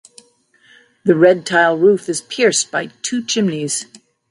The red tile roof is pierced by two chimneys.